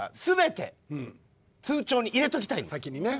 先にね。